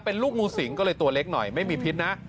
เป็นลูกงูสิงก็เลยตัวเล็กหน่อยไม่มีพิษนะ